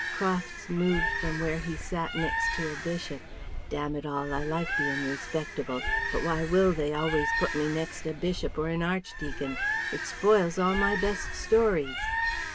Crofts moved from where he sat next to a Bishop. ("Damn it all! I like bein' respectable, but why will they always put me next a Bishop or an Archdeacon? It spoils all my best stories.")